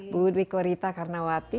bu dwi korita karnawati